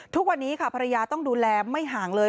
ทุกวันนี้ค่ะภรรยาต้องดูแลไม่ห่างเลย